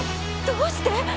どうして！？